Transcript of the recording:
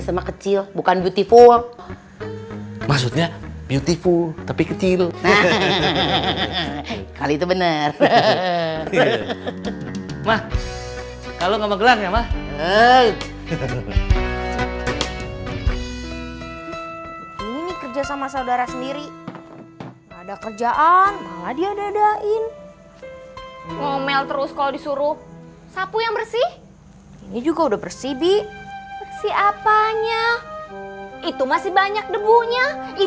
sampai jumpa di video selanjutnya